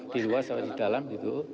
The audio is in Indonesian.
di luar siapa yang di dalam gitu